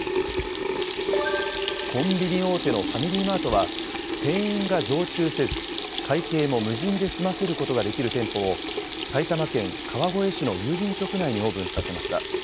コンビニ大手のファミリーマートは、店員が常駐せず、会計も無人で済ませることができる店舗を、埼玉県川越市の郵便局内にオープンさせました。